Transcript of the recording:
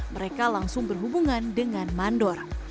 mereka langsung berhubungan dengan mandor